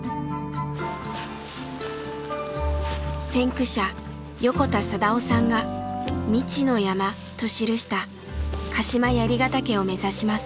先駆者横田貞雄さんが「未知の山」と記した鹿島槍ヶ岳を目指します。